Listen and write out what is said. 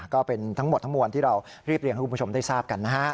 ก็เป็นทั้งหมดทั้งมวลที่เรารีบเรียงให้คุณผู้ชมได้ทราบกันนะฮะ